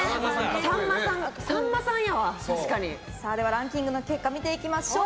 ランキングの結果見ていきましょう。